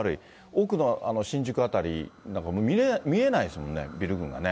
奥の、あの新宿辺りなんか、見えないですもんね、ビル群がね。